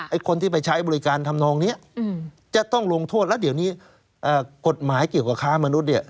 คนที่ไปใช้บริการทำนองนี้จะต้องลงโทษแล้วเดี๋ยวนี้กฎหมายเกี่ยวกับค้ามนุษย์เนี่ย